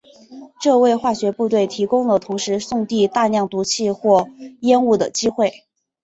这为化学部队提供了同时送递大量毒气或烟雾的机会。